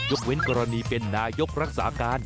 เว้นกรณีเป็นนายกรักษาการ